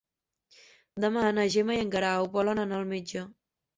Demà na Gemma i en Guerau volen anar al metge.